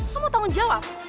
lo mau tanggung jawab